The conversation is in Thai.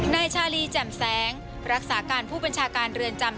นายชาลีแจ่มแสงรักษาการผู้บัญชาการเรือนจำ